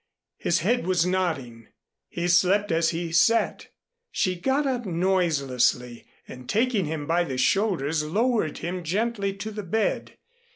His head was nodding. He slept as he sat. She got up noiselessly and taking him by the shoulders lowered him gently to the bed.